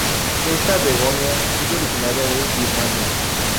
Esta "begonia" es originaria de Birmania.